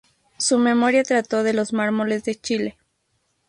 Su memoria trató de "Los Mármoles de Chile".